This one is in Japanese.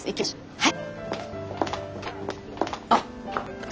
はい。